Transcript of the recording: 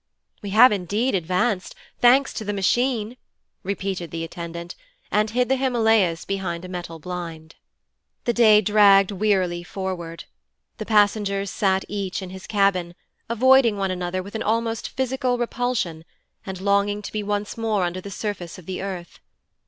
'We have indeed advance, thanks to the Machine,' repeated the attendant, and hid the Himalayas behind a metal blind. The day dragged wearily forward. The passengers sat each in his cabin, avoiding one another with an almost physical repulsion and longing to be once more under the surface of the earth.